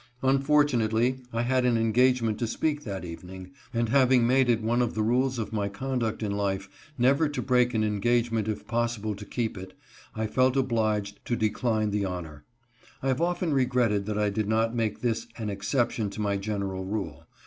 Unfortunately, I had an engagement to speak that even ing, and having made it one of the rules of my conduct in life never to break an engagement if possible to keep it, I felt obliged to decline the honor. I have often regretted that I did not make this an exception to my general rule.